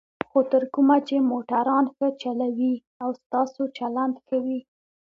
خو تر کومه چې موټران ښه چلوئ او ستاسو چلند ښه وي.